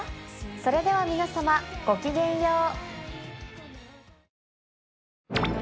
それでは皆さまごきげんよう。